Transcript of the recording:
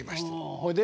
ほいで？